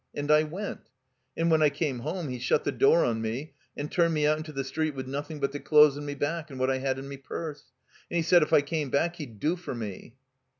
And I went. And when I came home he shut the door on me and turned me into the street with nothing but the clothes on me back and what I had in me purse. And he said if I came back he'd do for me."